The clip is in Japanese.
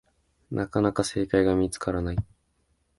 なかなか正解が見つからない